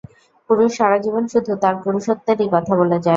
পুরুষ সারাজীবন শুধু তার পুরুষেত্বরই কথা বলে যায়।